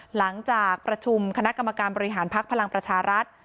หลังจากประชุมคณะกรรมการบริหารภักดิ์พลังประชารัฐ